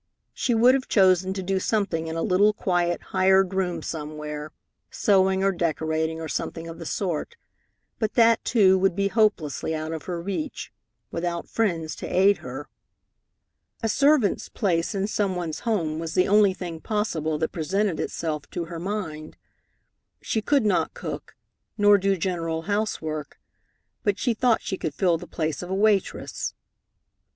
She would have chosen to do something in a little, quiet hired room somewhere, sewing or decorating or something of the sort, but that too would be hopelessly out of her reach, without friends to aid her. A servant's place in some one's home was the only thing possible that presented itself to her mind. She could not cook, nor do general housework, but she thought she could fill the place of waitress.